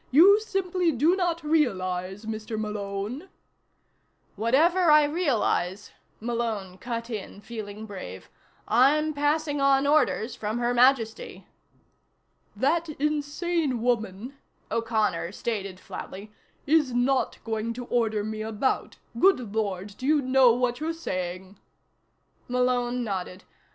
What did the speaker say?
You simply do not realize, Mr. Malone " "Whatever I realize," Malone cut in, feeling brave, "I'm passing on orders from Her Majesty." "That insane woman," O'Connor stated flatly, "is not going to order me about. Good Lord, do you know what you're saying?" Malone nodded.